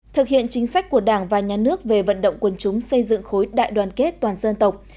thực hiện chính sách của đảng và nhà nước về vận động quân chúng xây dựng khối đại đoàn kết toàn dân tộc